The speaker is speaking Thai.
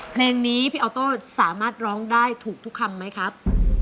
เพลงนี้พี่ออโต้สามารถร้องได้ถูกทุกคำไหมครับ